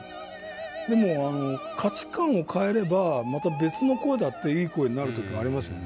でも価値観を変えればまた別の声だっていい声になるという事がありますよね。